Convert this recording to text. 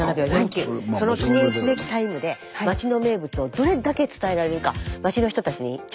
その記念すべきタイムで町の名物をどれだけ伝えられるか町の人たちに挑戦して頂きました。